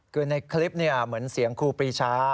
คือในคลิปเหมือนเสียงครูปรีชา